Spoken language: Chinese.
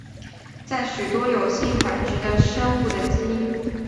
在许多有性繁殖的生物的基因。